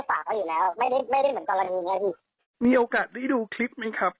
ผมดูแรกแรกเลยนะพี่